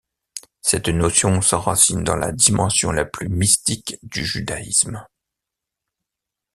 Cette notion s'enracine dans la dimension la plus mystique du judaïsme.